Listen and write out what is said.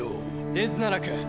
デズナラク。